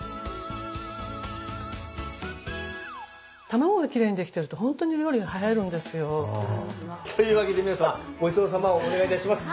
卵がきれいにできてるとほんとに料理が映えるんですよ。というわけで皆様ごちそうさまをお願いいたします。